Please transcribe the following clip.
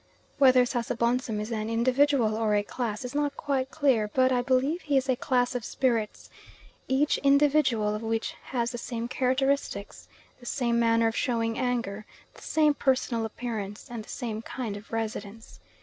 Whether Sasabonsum is an individual or a class is not quite clear, but I believe he is a class of spirits, each individual of which has the same characteristics, the same manner of showing anger, the same personal appearance, and the same kind of residence.